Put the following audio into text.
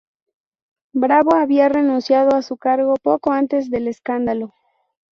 Bravo había renunciado a su cargo poco antes del escándalo.